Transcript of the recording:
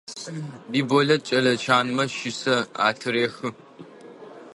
Биболэт кӏэлэ чанмэ щысэ атырехы.